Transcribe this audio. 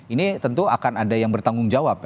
ini tentu akan ada yang bertanggung jawab